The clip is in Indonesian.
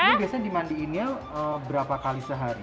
ini biasanya dimandiinnya berapa kali sehari